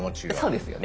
そうですよね。